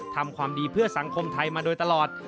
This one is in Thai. ทำความดีเพื่อสังคมไทยมาโดยตลอด